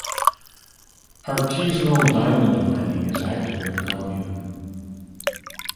Artisanal diamond mining is active in the commune.